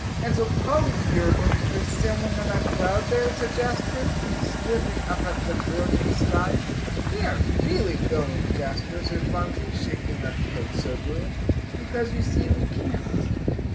"And so Polly and you are going to try sailing on that cloud there," said Jasper, squinting up at the brilliant sky. "We aren't really going, Jasper," said Phronsie, shaking her head, soberly, "because you see we can't.